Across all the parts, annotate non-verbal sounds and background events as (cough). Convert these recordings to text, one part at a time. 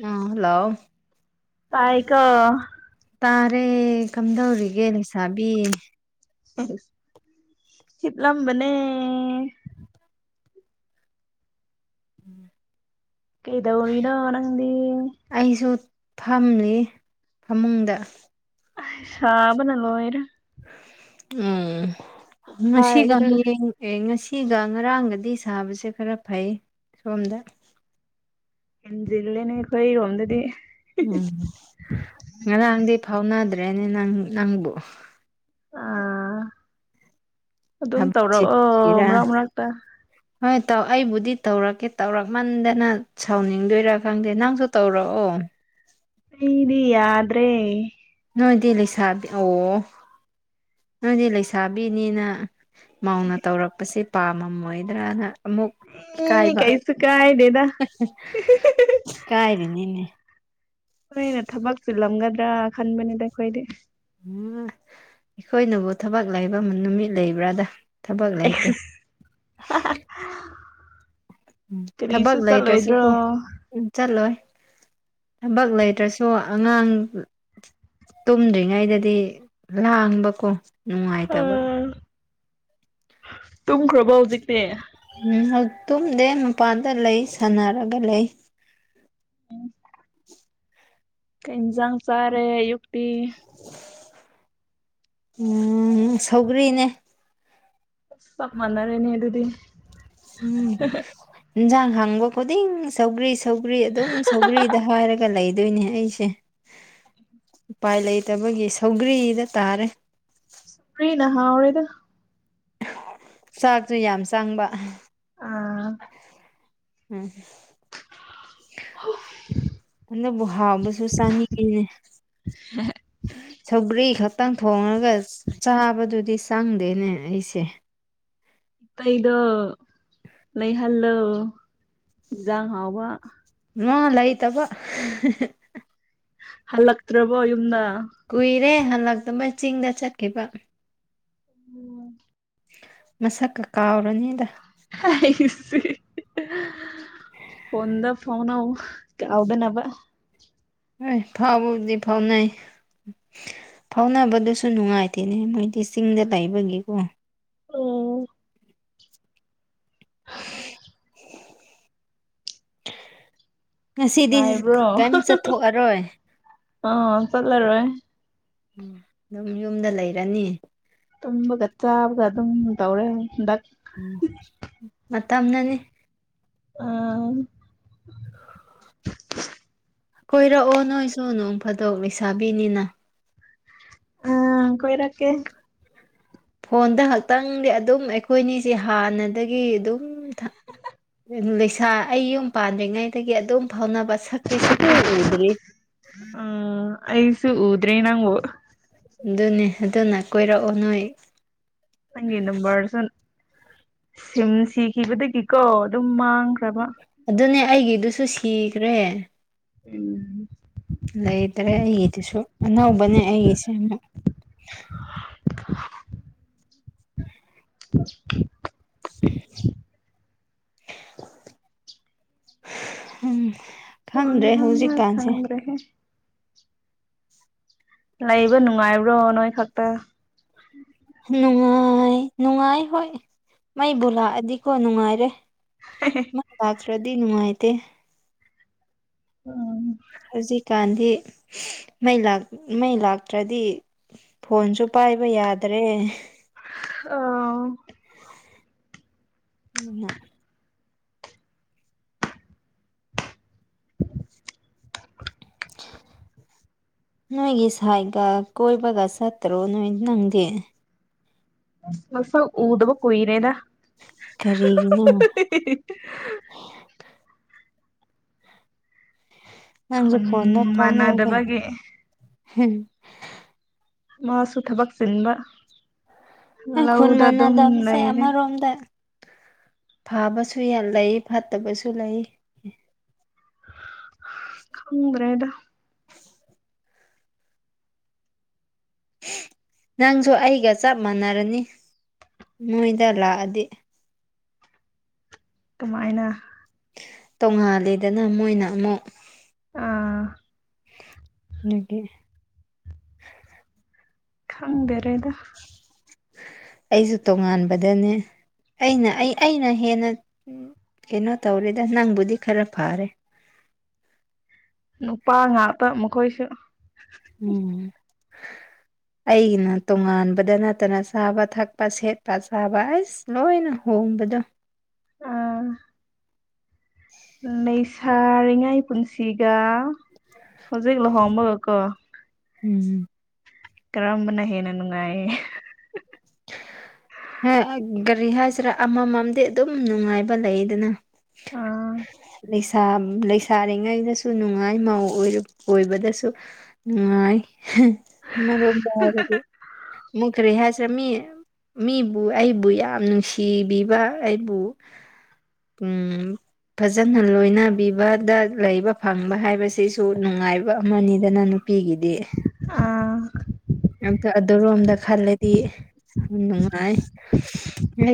ꯎꯝ hello ꯇꯥꯏꯌꯦꯀꯣ ꯇꯥꯔꯦ ꯀꯝꯗꯧꯔꯤꯒꯦ ꯂꯩꯁꯥꯕꯤ ꯍꯤꯞꯂꯝꯕꯅꯦ ꯎꯝ ꯀꯩꯗꯧꯔꯤꯅꯣ ꯅꯪꯗꯤ ꯐꯝꯂꯤꯌꯦ ꯐꯃꯨꯡꯗ ꯁꯥꯕꯅ ꯂꯣꯏꯔꯦ ꯎꯝ ꯉꯁꯤꯒ ꯄꯣꯛꯈꯥꯏꯒꯗꯧꯔꯦ ꯍꯌꯦꯡ ꯑꯦ ꯉꯁꯤ ꯁꯤꯒ ꯉꯔꯥꯡꯒꯗꯤ ꯁꯥꯕꯁꯦ ꯈꯔ ꯐꯩꯌꯦ ꯁꯣꯝꯗ ꯍꯦꯟꯖꯤꯜꯂꯦꯅꯦ ꯑꯈꯣꯏ ꯔꯣꯝꯗꯗꯤ ꯎꯝ ꯉꯔꯥꯡꯗꯤ ꯐꯥꯎꯅꯗ꯭ꯔꯦꯅꯦ ꯅꯪ ꯅꯪꯕꯨ ꯑꯥ ꯑꯗꯨꯝ ꯊꯕꯛ ꯇꯧꯔꯛꯑꯣ ꯆꯤꯟꯕꯒꯤꯔꯥ ꯃꯔꯛ ꯃꯔꯛꯇ ꯍꯣꯏ ꯇꯧ ꯑꯩꯕꯨꯗꯤ ꯇꯧꯔꯛꯀꯦ ꯇꯧꯔꯛꯃꯟꯗꯅ ꯁꯥꯎꯅꯤꯡꯗꯣꯏꯔꯥ ꯈꯪꯗꯦ ꯅꯪꯁꯨ ꯇꯧꯔꯛꯑꯣ (inaudible) ꯔꯤꯡꯗꯤ ꯌꯥꯗ꯭ꯔꯦ ꯅꯣꯏꯗꯤ ꯂꯩꯁꯥꯕꯤ ꯑꯣ ꯅꯣꯏꯗꯤ ꯂꯩꯁꯥꯕꯤꯅꯤꯅ ꯃꯥꯧꯅ ꯇꯧꯔꯛꯄꯁꯦ ꯄꯥꯝꯃꯝꯃꯣꯏꯗ꯭ꯔꯅ ꯑꯃꯨꯛ ꯑꯦ ꯏꯀꯥꯏꯕ ꯀꯩꯁꯨ ꯀꯥꯏꯗꯦꯗ ꯏꯀꯥꯏꯔꯤꯅꯤꯅꯦ ꯅꯣꯏꯅ ꯊꯕꯛ ꯆꯤꯂꯝꯒꯗ꯭ꯔ ꯈꯟꯕꯅꯤꯗ ꯑꯩꯈꯣꯏꯗꯤ ꯎꯞ ꯑꯩꯈꯣꯏꯅꯕꯨ ꯊꯕꯛ ꯂꯩꯕ ꯅꯨꯃꯤꯠ ꯂꯩꯕ꯭ꯔꯗ ꯊꯕꯛ ꯂꯩꯇꯦ ꯀꯔꯤꯁꯨ ꯊꯕꯛ ꯂꯩꯇ꯭ꯔꯁꯨ ꯆꯠꯂꯣꯏꯗ꯭ꯔꯣ ꯀꯣ ꯔꯤꯡ ꯆꯠꯂꯣꯏ ꯊꯕꯛ ꯂꯩꯇ꯭ꯔꯁꯨ ꯑꯉꯥꯡ ꯇꯨꯝꯗ꯭ꯔꯤꯉꯩꯗꯗꯤ ꯂꯥꯡꯕꯀꯣ ꯅꯨꯡꯉꯥꯏꯇꯕ ꯇꯨꯝꯈ꯭ꯔꯕꯣ ꯍꯧꯖꯤꯛꯇꯤ ꯎꯝ ꯍꯛ ꯇꯨꯝꯗꯦ ꯃꯄꯥꯟꯗ ꯂꯩ ꯁꯥꯟꯅꯔꯒ ꯂꯩ (inaudible) ꯀꯔꯤ ꯏꯟꯖꯥꯡ ꯆꯥꯔꯦ ꯑꯌꯨꯛꯇꯤ (inaudible) ꯎꯝ ꯁꯧꯒ꯭ꯔꯤꯅꯦ ꯆꯞ ꯃꯥꯟꯅꯔꯦꯅꯦ ꯑꯗꯨꯗꯤ ꯎꯝ ꯍꯦꯟꯖꯥꯡ ꯍꯪꯕ ꯈꯨꯗꯤꯡ ꯁꯧꯒ꯭ꯔꯤ ꯁ ꯁꯧꯒ꯭ꯔꯤ ꯑꯗꯨꯝ ꯁꯧꯒ꯭ꯔꯤꯗ ꯍꯥꯏꯔꯒ ꯂꯩ ꯗꯣꯏꯅꯦ ꯑꯩꯁꯦ ꯎꯄꯥꯏ ꯂꯩꯇꯕꯒꯤ ꯁꯧꯒ꯭ꯔꯤꯗ ꯇꯥꯔꯦ ꯁꯨꯒ꯭ꯔꯤꯅ ꯍꯥꯎꯔꯦꯗ ꯆꯥꯛꯁꯨ ꯌꯥꯝ ꯆꯪꯕ ꯑꯥ ꯎꯝꯍꯨꯝ (unintelligible) ꯑꯗꯨꯕꯨ ꯍꯥꯎꯕꯁꯨ ꯆꯥꯅꯤꯡꯉꯤꯅꯦ ꯁꯧꯒ꯭ꯔꯤ ꯈꯛ ꯇꯪ ꯊꯣꯡꯉꯒ ꯆꯥꯕꯗꯨꯗꯤ ꯆꯪꯗꯦꯅꯦ ꯑꯩꯁꯦ ꯏꯇꯩꯗꯣ ꯂꯩꯍꯜꯂꯣ ꯏꯟꯖꯥꯡ ꯍꯥꯎꯕ ꯃꯥ ꯂꯩꯇꯕ ꯍꯜꯂꯛꯇ꯭ꯔꯕꯣ ꯌꯨꯝꯗ ꯀꯨꯏꯔꯦ ꯍꯜꯂꯛꯇꯕ ꯆꯤꯡꯗ ꯆꯠꯈꯤꯕ ꯎꯝ ꯃꯁꯛ ꯀ ꯀꯥꯎꯔꯅꯤꯗ ꯍꯥꯏ ꯐꯗ ꯐꯥꯎꯟꯎ ꯀꯥꯎꯕ ꯅꯕ ꯍ ꯐꯥꯎꯕꯕꯨꯗꯤ ꯐꯥꯎꯅ ꯐꯥꯎꯅꯕꯗꯨꯁꯨ ꯅꯨꯡꯉꯥꯏꯇꯦꯅꯦ ꯃꯣꯏꯗꯤ ꯆꯤꯡꯗ ꯂꯩꯕꯒꯤꯀꯣ ꯑꯣ ꯉꯁꯤꯗꯤ ꯅꯨꯡꯉꯥꯏꯕ꯭ꯔꯣ ꯀꯩꯝ ꯆꯠꯊꯣꯛꯑꯔꯣꯏ ꯑ ꯆꯠꯂꯔꯦ ꯎ ꯑꯗꯨꯝ ꯌꯨꯝꯗ ꯂꯩꯔꯅꯤ ꯇꯕꯒ ꯆꯥꯕꯒ ꯑꯗꯨꯝ ꯇꯧꯔꯦ ꯃꯇꯝꯅꯅꯤ ꯑ ꯀꯣꯏꯔꯛꯑꯣ ꯅꯣꯏꯁꯨ ꯅꯣꯡ ꯐꯥꯗꯣꯛ ꯂꯩꯁꯥꯕꯤꯅꯤꯅ ꯑꯝ ꯀꯣꯏꯔꯀꯦ ꯐꯣꯟꯗ ꯈꯛꯇꯪꯗꯤ ꯑꯗꯨꯝ ꯑꯩꯈꯣꯏꯅꯤꯁꯦ ꯍꯥꯟꯅꯗꯒꯤ ꯑꯗꯨꯝ ꯂꯩꯁꯥ ꯑꯩ ꯌꯨꯝ ꯄꯥꯟꯗ꯭ꯔꯤꯉꯩꯗꯒꯤ ꯑꯗꯨꯝ ꯐꯥꯎꯅꯕ ꯁꯛꯇꯤ ꯁ ꯎ ꯎꯗ꯭ꯔꯔꯤ ꯑꯗꯨ꯭ꯔꯦ ꯅꯪ ꯑꯗꯨꯅꯦ ꯑꯗꯨꯅ ꯀꯣꯏꯔꯛꯑꯣ ꯅꯣꯏ ꯅꯪ ꯅꯕꯥꯥꯔꯁꯣꯟ ꯁꯤꯝ ꯁꯤꯈꯤꯕꯗꯒꯤꯀꯣ ꯑꯗꯨꯝ ꯃꯥꯡꯈ꯭ꯔꯕ ꯑꯗꯨꯅꯦ ꯑꯩꯒꯤꯗꯨꯁꯨ ꯁꯤꯈ꯭ꯔꯦ ꯎꯝ ꯂꯩꯇ꯭ꯔꯦ ꯑꯩꯒꯤꯗꯨꯁꯨ ꯑꯅꯧꯕꯅꯦ ꯑꯩꯒꯤꯁꯦ ꯑꯃꯨ (unintelligible) (unintelligible) ꯎꯝ ꯋꯥ ꯈꯪꯗ꯭ꯔꯦ ꯉꯥꯡꯕ ꯍꯧꯖꯤꯛꯀꯥꯟꯁꯦ ꯈꯪꯗ꯭ꯔꯦꯍꯦ ꯂꯩꯕ ꯅꯨꯡꯉꯥꯏꯕ꯭ꯔꯣ ꯅꯣꯏ ꯈꯛꯇ ꯅꯨꯡꯉꯥꯏ ꯅꯨꯡꯉꯥꯏ ꯍꯣꯏ ꯃꯩꯕꯨ ꯂꯥꯛꯑꯗꯤꯀꯣ ꯅꯨꯡꯉꯥꯏꯔꯦ ꯃ ꯂꯥꯛꯥꯛ꯭ꯔꯗꯤꯅꯅꯨꯡꯉꯥꯏꯇꯦ ꯎꯝ ꯍꯧꯖꯤꯛ ꯀꯥꯟ ꯗꯤ ꯃꯩ ꯃꯩ ꯂꯥꯛꯇ꯭ꯔꯗꯤ ꯐꯣꯟꯁꯨ ꯄꯥꯏꯕ ꯌꯥꯗ꯭ꯔꯦ (unintelligible) ꯑ ꯎꯝ (inaudible) (unintelligible) ꯅꯣꯏꯒꯤ ꯁꯥꯏꯒ ꯀꯣꯏꯕꯒ ꯆꯠꯇꯔꯣ ꯅꯣꯏ ꯅꯪꯗꯦ ꯃꯁ ꯎꯗꯕ ꯀꯏꯅꯦꯗꯥ ꯀꯔꯔꯤꯒꯤꯅ ꯅꯪꯁꯨ ꯈꯨꯟ ꯐꯣꯟꯟꯗꯄ ꯀ ꯃꯥꯟꯅꯗꯕꯒꯤ ꯃꯥꯁꯨ ꯊꯕꯛ ꯆꯤꯟꯕ ꯈꯟ ꯂꯧꯗ ꯃꯥꯟꯅꯗꯕ ꯑꯗꯨꯝ ꯁꯤ ꯌꯥꯝ ꯂꯩꯔꯦ ꯔꯣꯝꯗ ꯐꯕꯁꯨ ꯂꯩ ꯐꯠꯇꯕꯁꯨ ꯂꯩ ꯈꯗ꯭ꯔꯦꯗ ꯅꯪꯁꯨ ꯑꯩꯒ ꯆꯞ ꯃꯥꯟꯅꯔꯅꯤ ꯅꯣꯏꯗ ꯂꯥꯛꯑꯗꯤ ꯀꯃꯥꯏꯅ ꯇꯣꯉꯥꯜꯂꯦꯗꯅ ꯃꯣꯏꯅ ꯑꯃꯨꯛ ꯑꯥ ꯑꯗꯨꯒꯤ ꯈꯪꯗꯔꯦꯗ ꯑꯩꯁꯨ ꯇꯣꯉꯥꯟꯕꯗꯅꯦ ꯑꯩꯅ ꯑꯩ ꯑꯩꯅ ꯍꯦꯟꯅ ꯀꯩꯅꯣ ꯇꯧꯔꯦꯗ ꯅꯪꯕꯨꯗꯤ ꯈꯔꯥ ꯐꯥꯔꯦ ꯅꯨꯄꯥ ꯉꯥꯛꯇ ꯃꯈꯣꯏꯁꯨ (inaudible) ꯑꯩꯒꯤꯅ ꯇꯣꯉꯥꯟꯕꯗ ꯅꯠꯇꯅ ꯆꯥꯕ ꯊꯛꯄ ꯁꯦꯠꯄ ꯆꯥꯕ ꯑꯁ ꯂꯣꯏꯅ ꯍꯨ ꯎꯝꯕꯗꯣ ꯑꯥ ꯂꯩꯁꯥꯔꯤꯉꯥꯏ ꯄꯨꯟꯁꯤ ꯀ ꯍꯧꯖꯤꯛ ꯂꯨꯍꯣꯡꯕꯒꯀꯣ ꯎꯝ ꯀꯔꯝꯕꯅ ꯍꯦꯟꯅ ꯅꯨꯡꯉꯥꯏꯌꯦ (inaudible) ꯍ ꯒꯥꯔꯤ ꯍꯥꯏꯁꯤꯔꯥ ꯑꯃꯃꯝꯗꯤ ꯑꯗꯨꯝ ꯅꯨꯡꯉꯥꯏꯕ ꯂꯩꯌꯦꯗꯅ ꯑꯥ ꯂꯩꯁꯥꯔꯤꯉꯩꯗꯁꯨ ꯅꯨꯡꯉꯥꯏ ꯃꯧ ꯑꯣꯏꯕꯗꯁꯨ ꯉꯥꯏ ꯑꯃꯔꯣꯝꯗ ꯍꯥꯏꯔꯗꯤ ꯑꯃꯨꯛ ꯀꯔꯤ ꯍꯥꯏꯁꯤꯔꯥ ꯃꯤ ꯃꯤꯕꯨ ꯑꯩꯕꯨ ꯌꯥꯝ ꯅꯨꯡꯁꯤꯕꯤꯕ ꯑꯩꯕꯨ ꯎꯝ ꯐꯖꯅ ꯂꯣꯏꯅꯕꯤꯕꯗ ꯂꯩꯕ ꯐꯪꯕ ꯍꯥꯏꯕꯁꯤꯁꯨ ꯅꯨꯡꯉꯥꯏꯕ ꯑꯃꯅꯤꯗꯅ ꯅꯨꯄꯤ ꯅꯨꯄꯤꯒꯤꯗꯤ ꯑ ꯑꯝꯇ ꯑꯗꯨꯔꯣꯝꯗ ꯈꯜꯂꯗꯤ ꯅꯨꯡꯉꯥꯏ ꯍ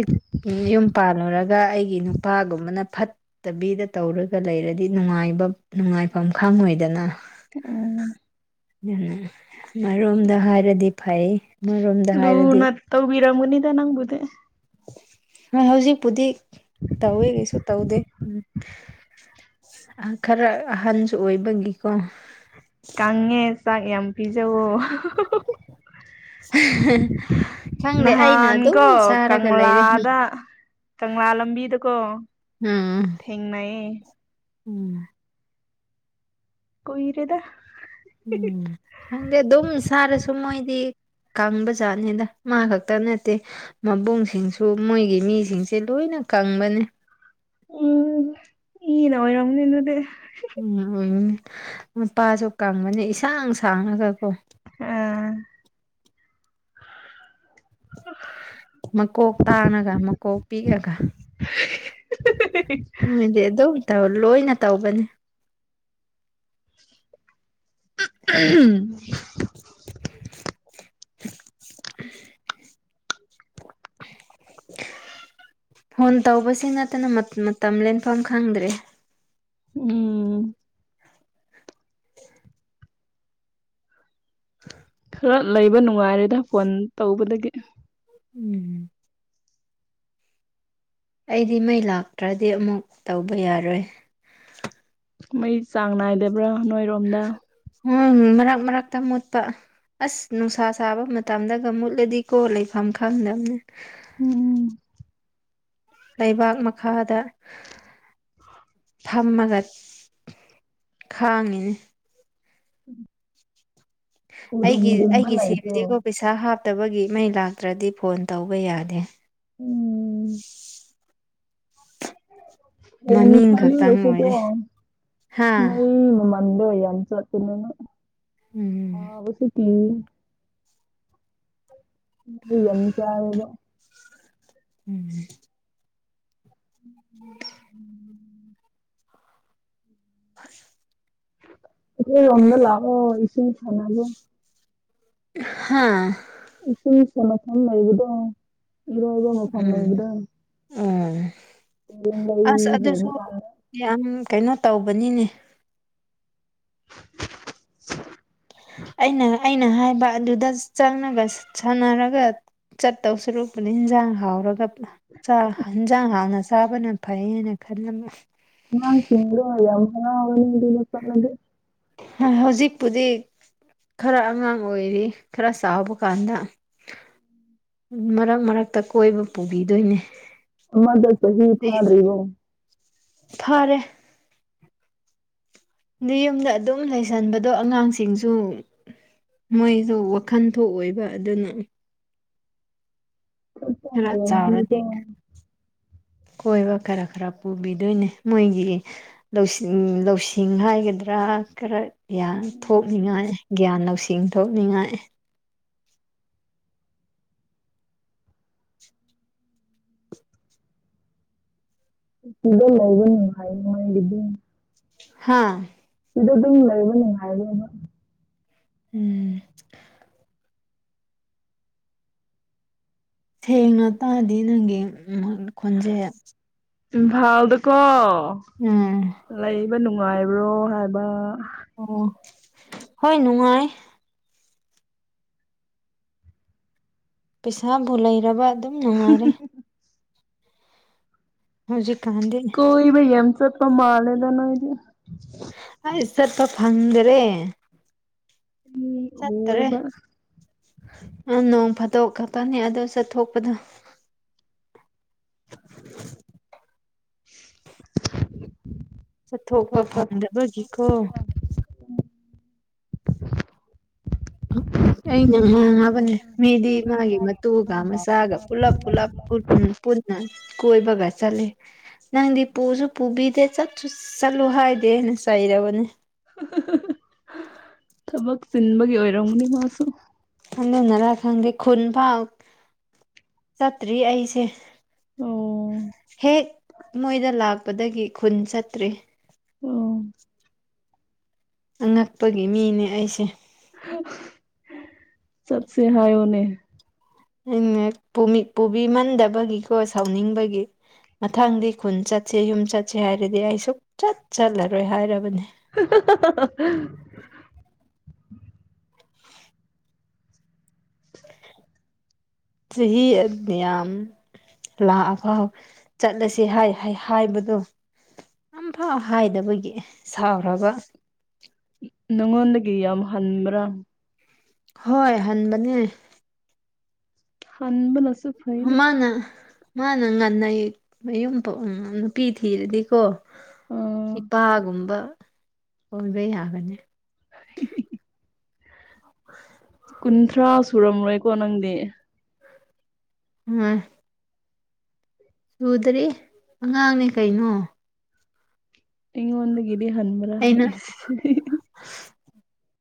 ꯌꯨꯝ ꯄꯥꯜꯂꯨꯔꯒ ꯑꯩꯒꯤ ꯅꯨꯄꯥꯒꯨꯝꯕꯅ ꯐꯠꯇꯕꯤꯗ ꯇꯧꯔꯒ ꯂꯩꯔꯗꯤ ꯅꯨꯡꯉꯥꯏꯕ ꯅꯨꯡꯉꯥꯏꯐꯝ ꯈꯪꯉꯣꯏꯗꯅ ꯎꯝ ꯑꯃꯔꯣꯝꯗ ꯍꯥꯏꯔꯗꯤ ꯐꯩ ꯑꯃꯔꯣꯝꯗ ꯍꯥꯏꯔꯗꯤ ꯂꯨꯅ ꯇꯧꯕꯤꯔꯝꯒꯥꯅꯤꯗ ꯅꯪꯕꯨꯗꯦ ꯍꯣꯏ ꯍꯧꯖꯤꯛꯄꯨꯗꯤ ꯇꯧꯋꯦ ꯀꯩꯁꯨ ꯇꯧꯗꯦ ꯎꯝ ꯈꯔ ꯑꯍꯟꯁꯨ ꯑꯣꯏꯕꯒꯤꯀꯣ ꯀꯪꯉꯦ ꯆꯥꯛ ꯌꯥꯝ ꯄꯤꯖꯋꯣ ꯈꯪꯗꯦ ꯑꯩꯅ ꯑꯗꯨꯝ ꯅꯍꯥꯟꯀꯣ ꯆꯥꯔꯒ ꯂꯩꯔꯦ ꯀꯪꯂꯥꯗ ꯀꯪꯂꯥ ꯂꯝꯕꯤꯗꯀꯣ ꯎꯝ ꯊꯦꯡꯅꯩꯌꯦ ꯎꯝ ꯀꯨꯏꯔꯦꯗ ꯎꯝ ꯈꯪꯗꯦ ꯗꯨꯝ ꯁꯔꯥꯁꯨ ꯃꯣꯢꯗꯤ ꯀꯥꯡꯕꯖꯥꯠꯅꯤꯗ ꯃꯥ ꯈꯛꯇ ꯅꯠꯇꯦ ꯃꯕꯨꯡꯁꯤꯡꯁꯨ ꯃꯣꯏꯒꯤ ꯃꯤꯁꯤꯡꯁꯦ ꯂꯣꯏꯅ ꯀꯪꯕꯅꯦ ꯎꯝ ꯏ ꯅꯥ ꯑꯣꯏꯔꯝꯅꯤ ꯗꯨꯗꯤ ꯎꯝ ꯎꯝ ꯅꯨꯄꯥꯁꯨ ꯀꯪꯕꯅꯦ ꯏꯁꯥꯡ ꯁꯥꯡꯉꯒꯀꯣ ꯑꯥ ꯃꯀꯣꯛ ꯇꯥꯡꯉꯒ ꯃꯀꯣꯛ ꯄꯤꯛꯑꯒ ꯃꯣꯏꯗꯤ ꯑꯗꯨꯝ ꯇꯧ ꯂꯣꯏꯅ ꯇꯧꯕꯅꯦ ꯝ (inaudible) (inaudible) ꯐꯣꯟ ꯇꯧꯕꯁꯤ ꯅꯠꯇꯅ ꯃꯇꯝ ꯂꯦꯟꯐꯝ ꯈꯪꯗ꯭ꯔꯦ ꯎꯝ ꯈꯔ ꯂꯩꯕ ꯅꯨꯡꯉꯥꯏꯔꯦꯗ ꯐꯣꯟ ꯇꯧꯕꯗꯒꯤ ꯎꯝ ꯑꯩꯗꯤ ꯃꯩ ꯂꯥꯛꯇ꯭ꯔꯗꯤ ꯑꯃꯨꯛ ꯇꯧꯕ ꯌꯥꯔꯣꯏ ꯃꯩ ꯆꯥꯡ ꯅꯥꯏꯗꯕ꯭ꯔꯥ ꯅꯣꯏꯔꯣꯝꯗ ꯎꯝ ꯃꯔꯛ ꯃꯔꯛꯇ ꯃꯨꯠꯄ ꯑꯁ ꯅꯨꯡꯁꯥ ꯁꯥꯕ ꯃꯇꯝꯗꯒ ꯃꯨꯠꯂꯗꯤ ꯀꯣ ꯂꯩꯐꯝ ꯈꯪꯗꯕꯅꯦ ꯎꯝ ꯂꯩꯕꯥꯛ ꯃꯈꯥꯗ ꯐꯝꯃꯒ ꯈꯥꯉꯅꯤ ꯎꯝ ꯑꯩꯒꯤ ꯑꯩꯒꯤ ꯂꯩꯇ꯭ꯔꯣ ꯁꯤꯁꯤꯒꯣ ꯄꯩꯁꯥ ꯍꯥꯞ ꯐꯠꯇꯕꯒꯤ ꯃꯩ ꯂꯥꯛꯇ꯭ꯔꯗꯤ ꯐꯣꯟ ꯇꯧꯕ ꯌꯥꯗꯦ ꯎꯝ ꯃꯃꯤꯡ ꯄꯨꯡꯈꯅꯤ ꯈꯛꯇꯪ ꯉꯁ ꯀꯣ ꯑꯣꯏꯔꯦ ꯍꯥ ꯃ ꯃꯃꯥ ꯑꯗꯏ ꯌꯥꯝꯆꯥ ꯑꯗꯨꯅꯅ ꯎꯝ ꯍꯕꯁꯨ ꯊꯤ ꯟꯁꯤ ꯍꯥꯏꯗ ꯎꯝ ꯎꯝ (unintelligible) ꯌꯗ ꯂꯑꯣ ꯏꯁꯨ ꯆꯒꯦ ꯍꯥꯥ ꯏꯁꯤꯡ ꯁ ꯃꯐꯝ ꯂꯩꯕꯗꯣ ꯏꯔꯣꯏꯕ ꯃꯐꯝ ꯎꯝ ꯂꯩꯕꯗꯣ ꯎꯝ ꯑꯁ ꯇꯨꯔꯦꯟ ꯑꯗꯨꯁꯨ ꯍꯦꯟꯕ ꯀꯥꯟꯗ ꯌꯥꯝ ꯀꯩꯅꯣ ꯇꯧꯕꯅꯤꯅꯦ ꯑꯩꯅ ꯑꯩꯅ ꯍꯥꯏꯕ ꯑꯗꯨꯗ ꯆꯪꯉꯒ ꯁꯥꯟꯅꯔꯒ ꯆꯠꯇꯧ ꯁꯨꯔꯨꯄꯗ ꯏꯟꯖꯥꯡ ꯍꯥꯎꯔꯒ ꯌꯦꯟꯁꯥꯡ ꯍꯥꯡꯅ ꯆꯥꯕꯅ ꯐꯩ ꯍꯥꯏꯅ ꯈꯜꯂꯝꯃꯤ ꯑꯅ ꯏꯗꯤꯅ ꯄꯂꯦ ꯍꯧꯖꯤꯛꯄꯨꯗꯤ ꯈꯔ ꯑꯉꯥꯡ ꯑꯣꯏꯔꯤ ꯈꯔ ꯆꯥꯎꯕ ꯀꯥꯟꯗ ꯃꯔꯛ ꯃꯔꯛꯇ ꯀꯣꯏꯕ ꯄꯨꯕꯤꯗꯣꯏꯅꯦ ꯑꯗ ꯁꯍꯤ ꯑꯗꯩ ꯐꯥꯔꯔꯤꯍꯣ ꯐꯔꯦ ꯌꯨꯝꯗ ꯑꯗꯨꯝ ꯂꯩꯁꯟꯕꯗꯣ ꯑꯉꯥꯡꯁꯤꯡꯁꯨ ꯃꯣꯏꯁꯨ ꯋꯥꯈꯜ ꯊꯣꯛꯑꯣꯏꯕ ꯑꯗꯨꯅ ꯆꯠꯄ ꯈꯔ ꯆꯥꯎꯔꯗꯤ ꯍꯩꯔꯝꯒꯅꯤꯀꯣ ꯀꯣꯏꯕ ꯈꯔ ꯈꯔ ꯄꯨꯕꯤꯗꯣꯏꯅꯦ ꯃꯣꯏꯒꯤ ꯂꯧ ꯂꯧꯁꯤꯡ ꯍꯥꯏꯒꯗ꯭ꯔꯥ ꯈ ꯈꯔ ꯒ꯭ꯌꯥꯟ ꯊꯣꯛꯅꯤꯡꯉꯥꯏ ꯒ꯭ꯌꯥꯟ ꯂꯧꯁꯤꯡ ꯊꯣꯛꯅꯤꯡꯉꯥꯏ ꯏꯗꯣ ꯃꯒꯅꯤ ꯍꯥꯏ ꯃꯒꯗ ꯍꯥꯥ ꯁꯤꯗ ꯑꯗꯨꯝ ꯂꯩꯕ ꯅꯨꯡꯉꯥꯏꯕꯅ ꯎꯝ ꯊꯦꯡꯅ ꯇꯥꯔꯗꯤ ꯅꯪꯒꯤ ꯈꯣꯟꯖꯦ ꯏꯝꯐꯥꯜꯗꯀꯣ ꯎꯝ ꯂꯩꯕ ꯅꯨꯡꯉꯥꯏꯕ꯭ꯔꯣ ꯍꯥꯏꯕ ꯑꯣ ꯍꯣꯏ ꯅꯨꯡꯉꯥꯏ ꯄꯩꯁꯥꯕꯨ ꯂꯩꯔꯕ ꯑꯗꯨꯝ ꯅꯨꯡꯉꯥꯏꯔꯦ ꯍꯧꯖꯤ ꯀꯣꯏ ꯩ ꯑꯦꯝ ꯆꯄꯄꯥ ꯃꯥ ꯂꯩꯦꯗꯅꯣꯗꯤ ꯑꯩ ꯆꯠꯄ ꯐꯪꯗ꯭ꯔꯦ ꯆꯠꯇꯦ ꯎꯋꯦꯕ ꯑꯅꯣꯡ ꯐꯠꯇ ꯣ ꯈꯀꯅꯤ ꯑꯗ ꯆ ꯊꯣꯛꯄꯗ (inaudible) ꯆꯠꯊꯣꯛꯄ ꯐꯪꯗꯕꯒꯤꯀꯣ (inaudible) ꯑꯩꯅ ꯉꯥꯡꯉꯕꯅꯦ ꯃꯤꯗꯤ ꯃꯥꯒꯤ ꯃꯇꯨꯒ ꯃꯆꯥꯒ ꯄꯨꯂꯞ ꯄꯨꯜꯂꯞ ꯎ ꯄꯨꯟꯅ ꯀꯣꯏꯕꯒ ꯆꯠꯂꯤ ꯅꯪꯗꯤ ꯄꯨꯁꯨ ꯄꯨꯕꯤꯗꯦ ꯆꯠꯁꯨ ꯆꯠꯂꯨ ꯍꯥꯏꯗꯦꯅ ꯆꯩꯔꯕꯅꯦ ꯊꯕꯛ ꯆꯤꯟꯕꯒꯤ ꯑꯣꯏꯔꯝꯒꯅꯤ ꯃꯥꯁꯨ ꯈꯪꯗꯅꯔ ꯈꯪꯗꯦ ꯈꯨꯟ ꯐꯥꯎ ꯆꯠꯇ꯭ꯔꯤ ꯑꯩꯁꯦ ꯑꯣ ꯍꯦꯛ ꯃꯣꯏꯗ ꯂꯥꯛꯄꯗꯒꯤ ꯈꯨꯟ ꯆꯠꯇ꯭ꯔꯤ ꯑꯣ ꯑꯉꯛꯄꯒꯤ ꯃꯤꯅꯦ ꯑꯩꯁꯦ ꯆꯠꯁꯦ ꯍꯥꯏꯌꯣꯅꯦ ꯑ ꯄꯨꯕꯤꯃꯟꯗꯕꯒꯤꯀꯣ ꯁꯥꯎꯅꯤꯡꯕꯒꯤ ꯃꯊꯪꯗꯤ ꯈꯨꯟ ꯆꯠꯁꯤ ꯌꯨꯝ ꯆꯠꯁꯤ ꯍꯥꯏꯔꯗꯤ ꯑꯩ ꯁꯨꯛꯆꯠ ꯆꯠꯂꯔꯣꯏ ꯍꯥꯏꯔꯕꯅꯦ ꯆꯍꯤ ꯑꯅꯤꯌꯥꯝ ꯂꯥꯛꯑꯐꯥꯎ ꯆꯠꯂꯁꯤ ꯍꯥꯏ ꯍꯥꯏꯕꯗꯣ ꯑꯝꯐꯥꯎ ꯍꯥꯏꯗꯕꯒꯤ ꯁꯥꯎꯒ ꯅꯪꯉꯣꯟꯗꯒꯌꯥ ꯃ ꯍꯟꯕ꯭ꯔꯥ ꯍꯣꯏ ꯍꯟꯕꯅꯦ ꯍꯕꯅꯁꯤ ꯃꯥꯅ ꯃꯥꯅ ꯉꯟꯅꯩ ꯃꯌꯨꯝ ꯅꯨꯄꯤ ꯊꯤꯔꯗꯤꯀꯣ ꯑ ꯏꯄꯥꯒꯨꯝꯕ ꯑꯣꯏꯕ ꯌꯥꯒꯅꯤ ꯀꯨꯟꯊ꯭ꯔꯥ ꯁꯨꯔꯝꯔꯣꯏꯀꯣ ꯅꯪꯗꯤ ꯑꯣꯏ ꯁꯨꯗ꯭ꯔꯔꯤ ꯑꯉꯥꯡꯅꯦ ꯀꯩꯅꯣ ꯋꯥꯟꯒꯤꯗꯤ ꯍꯟꯃꯔꯥ ꯑꯩꯅ